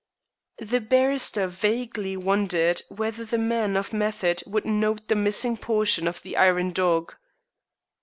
The barrister vaguely wondered whether the man of method would note the missing portion of the iron "dog."